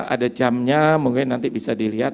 ada jamnya mungkin nanti bisa dilihat